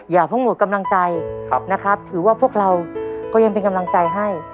อย่าเพิ่งหมดกำลังใจนะครับถือว่าพวกเราก็ยังเป็นกำลังใจให้